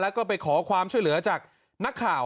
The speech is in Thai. แล้วก็ไปขอความช่วยเหลือจากนักข่าว